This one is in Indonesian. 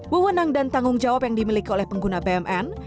wewenang dan tanggung jawab yang dimiliki oleh pengguna bmn